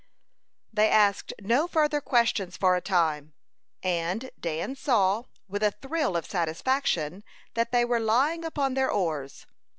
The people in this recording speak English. They asked no further questions for a time, and Dan saw, with a thrill of satisfaction, that they were lying upon their oars.